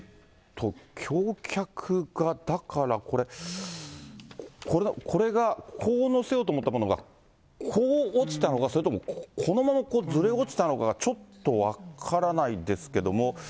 橋脚が、だからこれ、これが、こう載せようと思ったものが、こう落ちたのか、それともこのままずれ落ちたのかがちょっと分からないですけども。